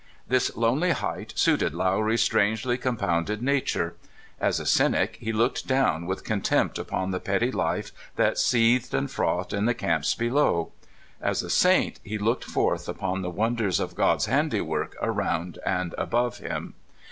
This lonely height suited Lowry's strangely compound ed nature. As a cynic, he looked down with con tempt upon the petty life that seethed and frothed in the camps below; as a saint, he looked forth upon the wonders of God's handiwork around and above him.